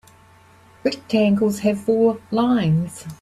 Rectangles have four lines.